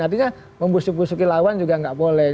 artinya membusuki busuki lawan juga gak boleh